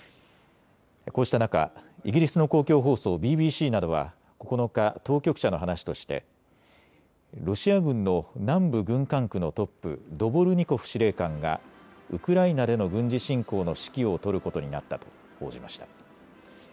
こうした中、イギリスの公共放送ＢＢＣなどは９日、当局者の話としてロシア軍の南部軍管区のトップ、ドボルニコフ司令官がウクライナでの軍事侵攻の指揮を執ることになったと報じました。